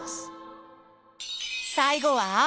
最後は？